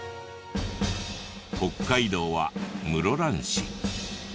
北海道は室蘭市。